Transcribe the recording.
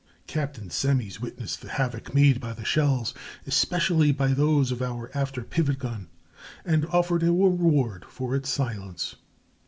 Captain Semmes witnessed the havoc made by the shells, especially by those of our after pivot gun, and offered a reward for its silence.